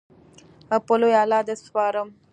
په لوی الله دې سپارم